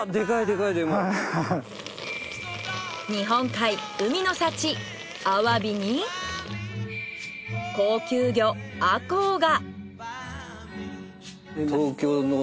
日本海海の幸アワビに高級魚アコウが。